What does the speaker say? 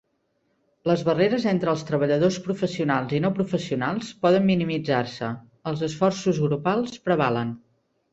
Les barreres entre els treballadors professionals i no professionals poden minimitzar-se, els esforços grupals prevalen.